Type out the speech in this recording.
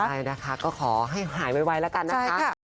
ใช่นะคะก็ขอให้หายไวแล้วกันนะคะ